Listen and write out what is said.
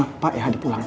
homa lamarin bisair tunggu